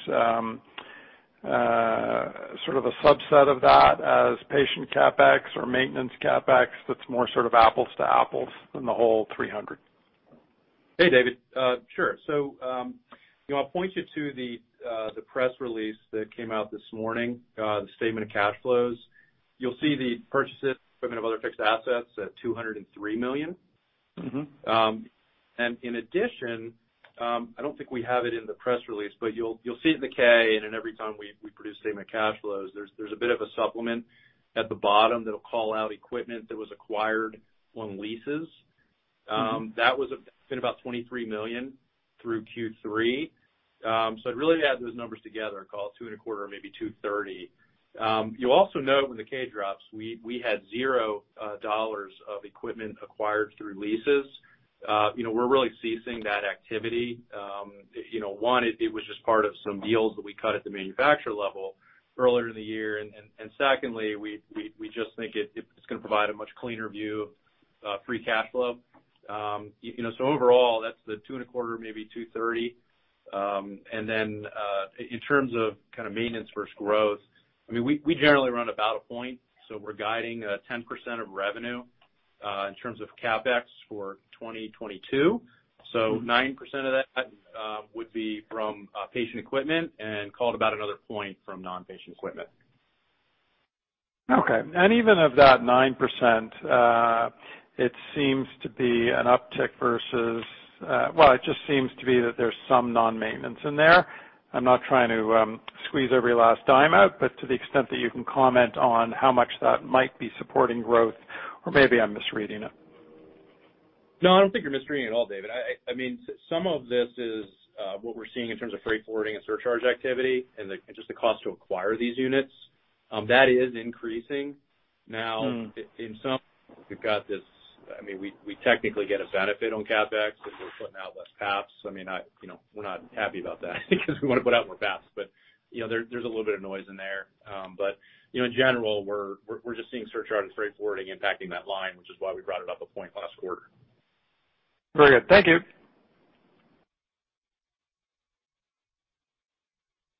sort of a subset of that as patient CapEx or maintenance CapEx that's more sort of apples to apples than the whole $300 million. Hey, David. Sure. You know, I'll point you to the press release that came out this morning, the statement of cash flows. You'll see the purchases of other fixed assets at $203 million. Mm-hmm. In addition, I don't think we have it in the press release, but you'll see it in the K, and every time we produce statement of cash flows, there's a bit of a supplement at the bottom that'll call out equipment that was acquired on leases. That was a bit about $23 million through Q3. So it really adds those numbers together, call it $2.25 million, maybe $2.30 million. You'll also note when the K drops, we had $0 of equipment acquired through leases. You know, we're really ceasing that activity. You know, one, it was just part of some deals that we cut at the manufacturer level earlier in the year. Secondly, we just think it's gonna provide a much cleaner view of free cash flow. You know, overall, that's the $2.25, maybe $2.30. In terms of kind of maintenance versus growth, I mean, we generally run about 1%, so we're guiding 10% of revenue in terms of CapEx for 2022. Nine percent of that would be from patient equipment and call it about another 1% from non-patient equipment. Okay. Even of that 9%, it seems to be an uptick versus. Well, it just seems to be that there's some non-maintenance in there. I'm not trying to squeeze every last dime out, but to the extent that you can comment on how much that might be supporting growth, or maybe I'm misreading it? No, I don't think you're misreading at all, David. I mean, some of this is what we're seeing in terms of freight forwarding and surcharge activity and just the cost to acquire these units. That is increasing. Now- Mm. I mean, we technically get a benefit on CapEx because we're putting out less PAPs. I mean, you know, we're not happy about that because we wanna put out more PAPs. You know, there's a little bit of noise in there. You know, in general, we're just seeing surcharge and freight forwarding impacting that line, which is why we brought it up a point last quarter. Very good. Thank you.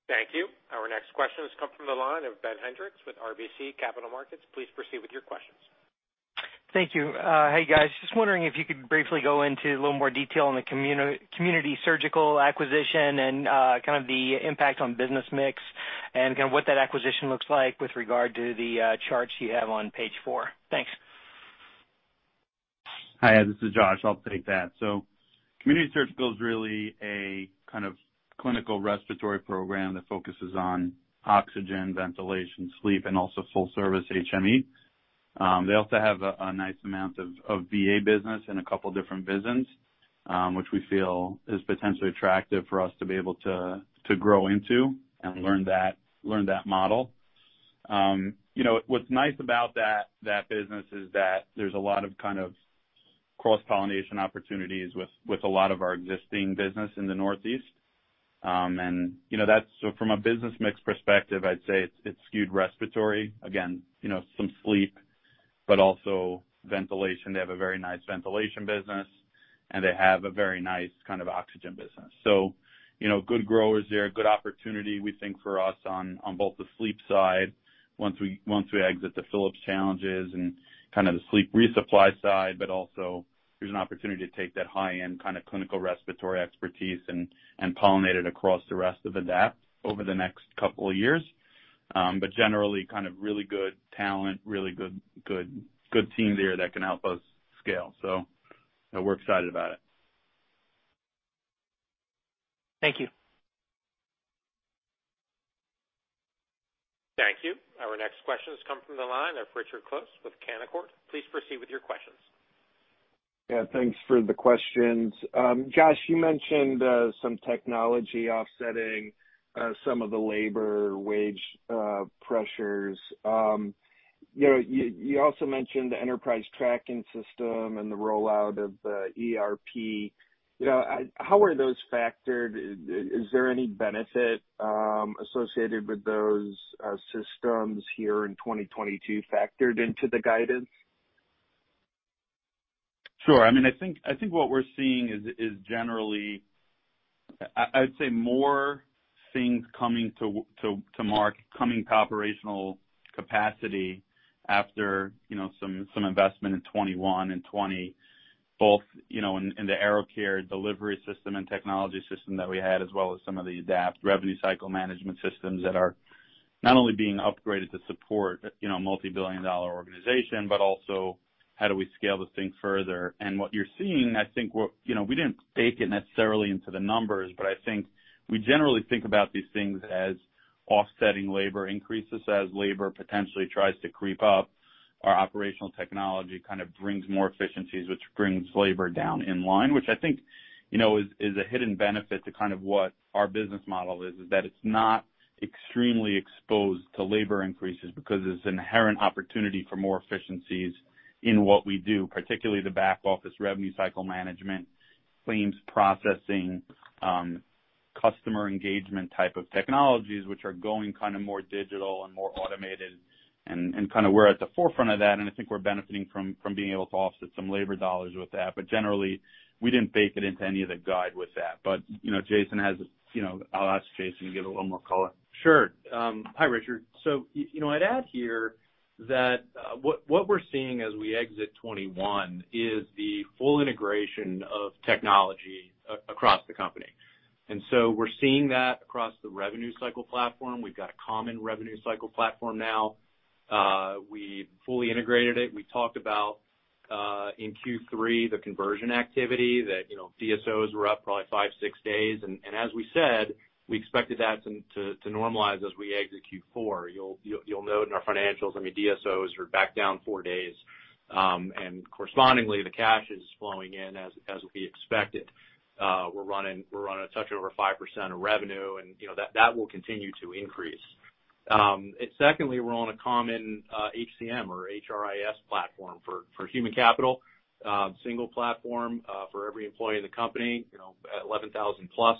Thank you. Our next question has come from the line of Ben Hendrix with RBC Capital Markets, please proceed with your questions. Thank you. Hey, guys. Just wondering if you could briefly go into a little more detail on the Community Surgical acquisition and kind of the impact on business mix and kind of what that acquisition looks like with regard to the charts you have on page four. Thanks. Hi, this is Josh. I'll take that. Community Surgical's really a kind of clinical respiratory program that focuses on oxygen, ventilation, sleep, and also full service HME. They also have a nice amount of VA business and a couple different business, which we feel is potentially attractive for us to be able to grow into and learn that model. You know, what's nice about that business is that there's a lot of kind of cross-pollination opportunities with a lot of our existing business in the Northeast. From a business mix perspective, I'd say it's skewed respiratory. Again, you know, some sleep, but also ventilation. They have a very nice ventilation business, and they have a very nice kind of oxygen business. You know, good growers there. Good opportunity, we think, for us on both the sleep side, once we exit the Philips challenges and kind of the sleep resupply side, but also there's an opportunity to take that high-end kind of clinical respiratory expertise and pollinate it across the rest of Adapt over the next couple of years. Generally, kind of really good talent, good team there that can help us scale. We're excited about it. Thank you. Thank you. Our next question has come from the line of Richard Close with Canaccord, please proceed with your questions. Yeah, thanks for the questions. Josh, you mentioned some technology offsetting some of the labor wage pressures. You know, you also mentioned the enterprise tracking system and the rollout of ERP. You know, how are those factored? Is there any benefit associated with those systems here in 2022 factored into the guidance? Sure. I mean, I think what we're seeing is generally, I'd say more things coming to market, coming to operational Capacity after, you know, some investment in 2021 and 2020, both, you know, in the AeroCare delivery system and technology system that we had, as well as some of the Adapt revenue cycle management systems that are not only being upgraded to support, you know, a multibillion-dollar organization, but also how do we scale this thing further. What you're seeing, you know, we didn't bake it necessarily into the numbers, but I think we generally think about these things as offsetting labor increases. As labor potentially tries to creep up, our operational technology kind of brings more efficiencies, which brings labor down in line, which I think, you know, is a hidden benefit to kind of what our business model is, that it's not extremely exposed to labor increases because there's inherent opportunity for more efficiencies in what we do, particularly the back office revenue cycle management, claims processing, customer engagement type of technologies, which are going kind of more digital and more automated, and kind of we're at the forefront of that, and I think we're benefiting from being able to offset some labor dollars with that. Generally, we didn't bake it into any of the guide with that. You know, I'll ask Jason to give it a little more color. Sure. Hi, Richard. You know, I'd add here that what we're seeing as we exit 2021 is the full integration of technology across the company. We're seeing that across the revenue cycle platform. We've got a common revenue cycle platform now. We fully integrated it. We talked about in Q3 the conversion activity that you know DSOs were up probably five- six days. As we said, we expected that to normalize as we exit Q4. You'll note in our financials, I mean, DSOs are back down four days, and correspondingly, the cash is flowing in as we expected. We're running a touch over 5% of revenue and you know that will continue to increase. Secondly, we're on a common HCM or HRIS platform for human capital. Single platform for every employee in the company, you know, 11,000 plus.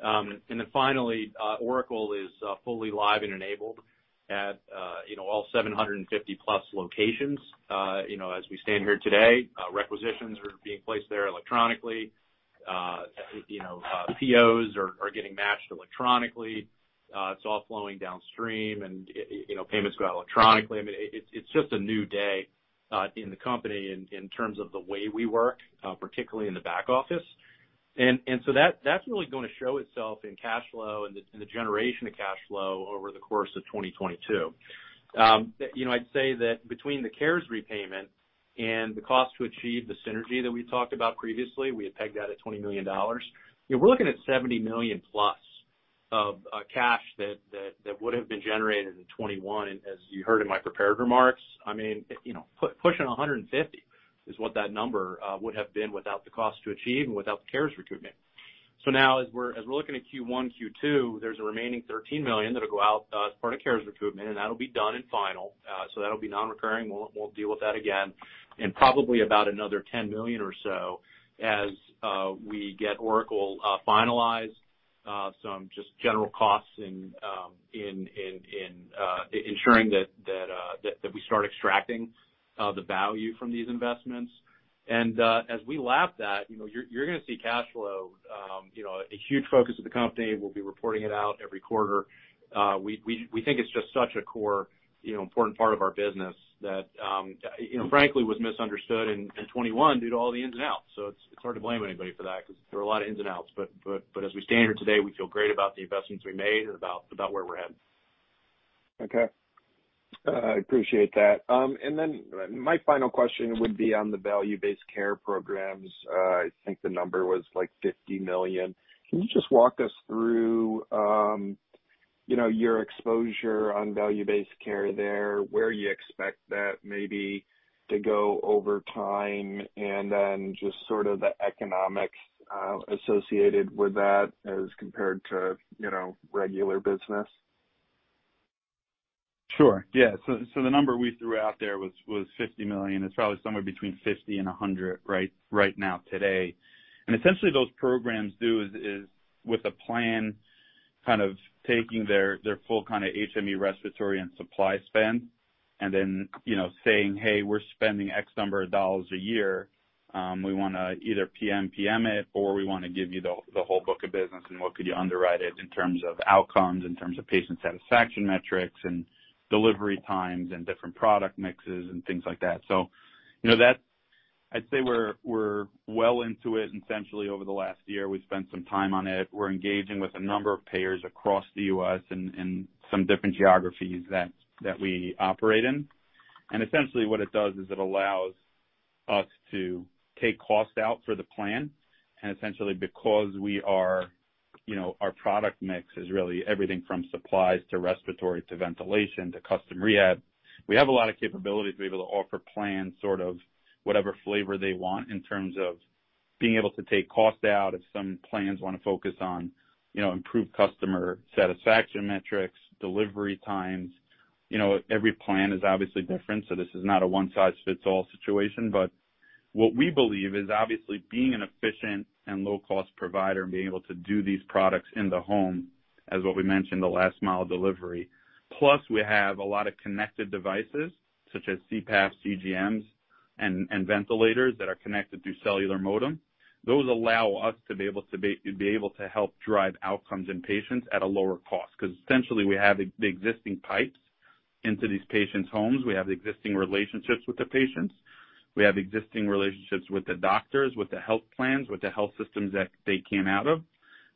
Then finally, Oracle is fully live and enabled at, you know, all 750 plus locations. You know, as we stand here today, requisitions are being placed there electronically. You know, POs are getting matched electronically. It's all flowing downstream and, you know, payments go out electronically. I mean, it's just a new day in the company in terms of the way we work, particularly in the back office. So that's really gonna show itself in cash flow and the generation of cash flow over the course of 2022. You know, I'd say that between the CARES repayment and the cost to achieve the synergy that we talked about previously, we had pegged that at $20 million. You know, we're looking at $70 million-plus of cash that would have been generated in 2021. As you heard in my prepared remarks, I mean, you know, pushing 150 is what that number would have been without the cost to achieve and without the CARES recoupment. Now as we're looking at Q1, Q2, there's a remaining $13 million that'll go out as part of CARES recoupment, and that'll be done in full. That'll be non-recurring. We won't deal with that again. Probably about another $10 million or so as we get Oracle finalized, some just general costs in ensuring that we start extracting the value from these investments. As we lap that, you know, you're gonna see cash flow, you know, a huge focus of the company. We'll be reporting it out every quarter. We think it's just such a core, you know, important part of our business that, you know, frankly, was misunderstood in 2021 due to all the ins and outs. It's hard to blame anybody for that because there were a lot of ins and outs. As we stand here today, we feel great about the investments we made and about where we're headed. Okay. I appreciate that. My final question would be on the value-based care programs. I think the number was $50 million. Can you just walk us through your exposure on value-based care there? Where you expect that maybe to go over time? Just sort of the economics associated with that as compared to regular business. Sure. Yeah. The number we threw out there was $50 million. It's probably somewhere between $50 million and $100 million right now today. Essentially those programs do is with a plan, kind of taking their full kind of HME respiratory and supply spend and then, you know, saying, Hey, we're spending X number of dollars a year. We wanna either PMPM it or we wanna give you the whole book of business and what could you underwrite it in terms of outcomes, in terms of patient satisfaction metrics and delivery times and different product mixes and things like that. You know, that's. I'd say we're well into it. Essentially, over the last year, we've spent some time on it. We're engaging with a number of payers across the U.S. and some different geographies that we operate in. Essentially what it does is it allows us to take cost out for the plan. Essentially because we are, you know, our product mix is really everything from supplies to respiratory to ventilation to custom rehab. We have a lot of capabilities to be able to offer plans sort of whatever flavor they want in terms of being able to take cost out if some plans wanna focus on, you know, improved customer satisfaction metrics, delivery times. You know, every plan is obviously different, so this is not a one-size-fits-all situation. But what we believe is obviously being an efficient and low-cost provider and being able to do these products in the home, as what we mentioned, the last mile delivery. Plus we have a lot of connected devices such as CPAP, CGMs and ventilators that are connected through cellular modem. Those allow us to be able to help drive outcomes in patients at a lower cost, 'cause essentially we have the existing pipes into these patients' homes. We have existing relationships with the patients. We have existing relationships with the doctors, with the health plans, with the health systems that they came out of.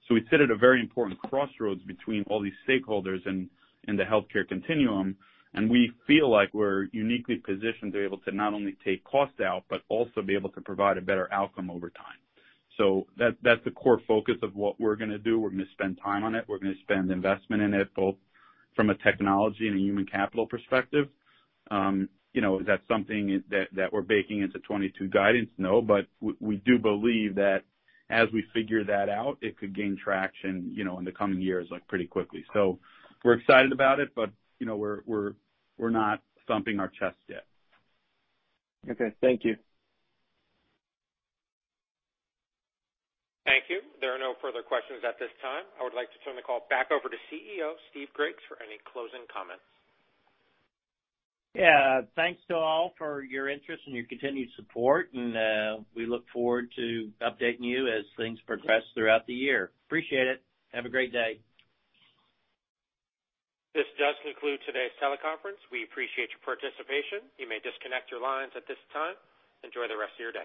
We sit at a very important crossroads between all these stakeholders in the healthcare continuum, and we feel like we're uniquely positioned to be able to not only take cost out, but also be able to provide a better outcome over time. That's the core focus of what we're gonna do. We're gonna spend time on it. We're gonna spend investment in it, both from a technology and a human capital perspective. You know, is that something that we're baking into 2022 guidance? No, we do believe that as we figure that out, it could gain traction, you know, in the coming years, like pretty quickly. We're excited about it, but, you know, we're not thumping our chest yet. Okay. Thank you. Thank you. There are no further questions at this time. I would like to turn the call back over to Chief Executive Officer Stephen Griggs for any closing comments. Yeah. Thanks to all for your interest and your continued support and we look forward to updating you as things progress throughout the year. Appreciate it. Have a great day. This does conclude today's teleconference. We appreciate your participation. You may disconnect your lines at this time. Enjoy the rest of your day.